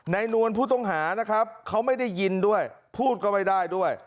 นวลผู้ต้องหานะครับเขาไม่ได้ยินด้วยพูดก็ไม่ได้ด้วย